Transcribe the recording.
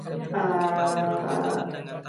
Apa yang membuatmu terbangun?